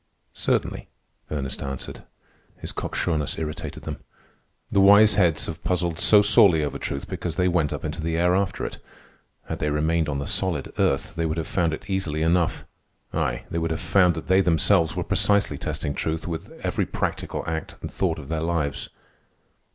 "Certainly," Ernest answered. His cocksureness irritated them. "The wise heads have puzzled so sorely over truth because they went up into the air after it. Had they remained on the solid earth, they would have found it easily enough—ay, they would have found that they themselves were precisely testing truth with every practical act and thought of their lives."